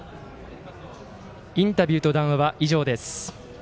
インタビューと談話は以上です。